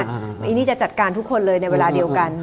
อันนี้จะจัดการทุกคนเลยในเวลาเดียวกัน